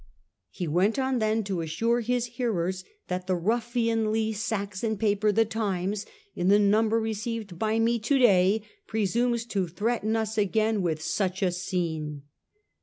He went on then to assure his hearers that ' the ruffianly Saxon paper, the Times, in the number received by me to day, presumes to threaten us again with such a scene.